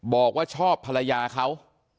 บอกว่าชอบภรรยาเขา